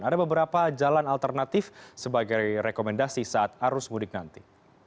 ada beberapa jalan alternatif sebagai rekomendasi saat arus mudik nanti